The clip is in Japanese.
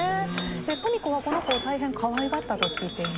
芙美子はこの子を大変かわいがったと聞いています。